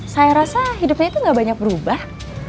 saya rasa hidupnya itu gak banyak berubah